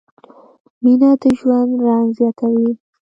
مینه د ژوند رنګ زیاتوي.